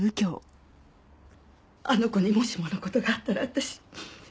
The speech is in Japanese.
あの子にもしもの事があったら私。